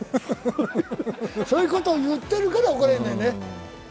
そういうことを言ってるから怒られるんだよね。